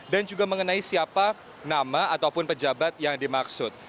dan juga mengenai siapa nama ataupun pejabat yang dimaksud